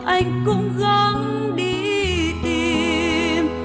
anh cũng gắng đi tìm